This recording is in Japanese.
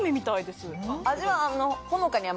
味は。